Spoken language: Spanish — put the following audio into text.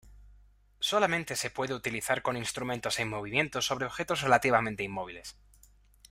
Solamente se puede utilizar con instrumentos en movimiento sobre objetivos relativamente inmóviles.